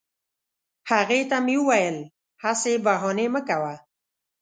هغې ته مې وویل هسي بهانې مه کوه